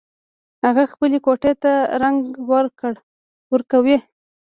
هغه خپلې کوټۍ ته رنګ ورکوي